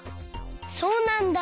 そうなんだ。